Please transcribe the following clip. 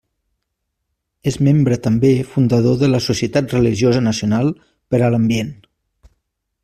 És membre també fundador de la Societat Religiosa Nacional per a l'Ambient.